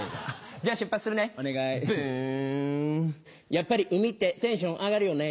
やっぱり海ってテンション上がるよね。